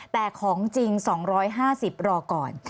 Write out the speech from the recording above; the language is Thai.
แต่ของจริง๒๕๐รอก่อน